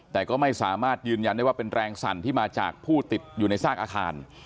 แต่ก็ไม่สามารถยืนยันได้ว่าเป็นแรงสั่นที่มาจากผู้ติดอยู่ในซากอาคาร